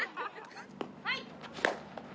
はい。